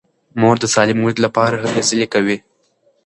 مور د سالمې ودې لپاره هلې ځلې کوي.